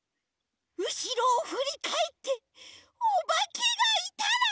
うしろをふりかえっておばけがいたら。